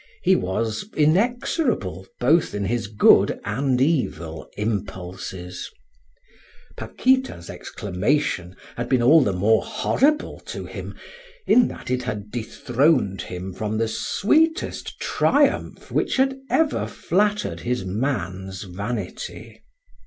He was inexorable both in his good and evil impulses. Paquita's exclamation had been all the more horrible to him, in that it had dethroned him from the sweetest triumph which had ever flattered his man's vanity.